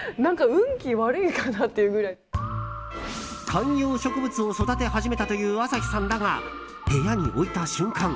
観葉植物を育て始めたという朝日さんだが部屋に置いた瞬間